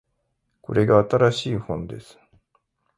これが新しい本です